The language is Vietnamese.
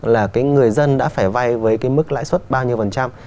là cái người dân đã phải vay với cái mức lãi suất bao nhiêu phần trăm